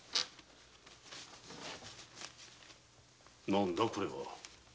何だこれは？